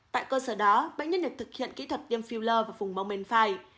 tại cơ sở đó bệnh nhân được thực hiện kỹ thuật tiêm filler vào vùng mông bên phải